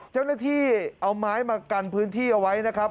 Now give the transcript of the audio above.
เจ้าหน้าที่เอาไม้มากันพื้นที่เอาไว้นะครับ